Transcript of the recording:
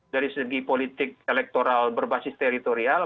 dari segi politik elektoral berbasis teritorial